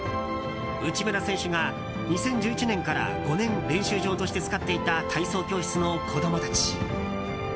内村選手が２０１１年から５年練習場として使っていた体操教室の子供たち。